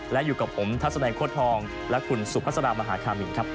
และอยู่กับผมทัศน์แขวดทองและคุณสุพธรรมหาคามิงครับ